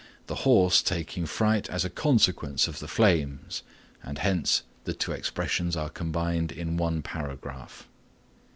the horse taking fright as a consequence of the flames and hence the two expressions are combined in one paragraph.